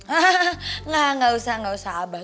hahaha nah gak usah gak usah abah